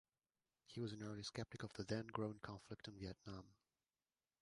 He was an early skeptic of the then growing conflict in Vietnam.